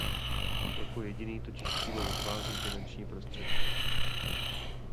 Jako jediný totiž přímo vytváří finanční prostředky.